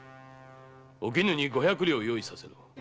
お絹に五百両用意させろ。